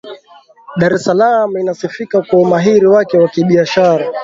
dar es salaam inasifika kwa umahiri wake wa kibiashara